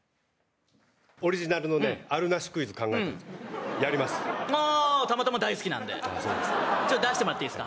オリジナルのねあるなしクイズ考えたんです。